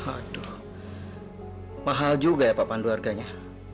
aduh mahal juga ya pak pandu harganya